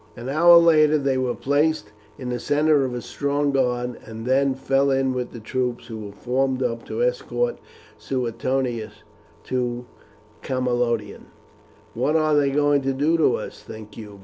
An hour later they were placed in the centre of a strong guard, and then fell in with the troops who were formed up to escort Suetonius to Camalodunum. "What are they going to do to us, think you?"